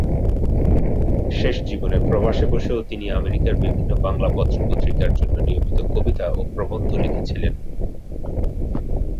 শেষ জীবনে প্রবাসে বসে ও তিনি আমেরিকায় বিভিন্ন বাংলা পত্র পত্রিকার জন্য নিয়মিত কবিতা ও প্রবন্ধ লিখেছিলেন।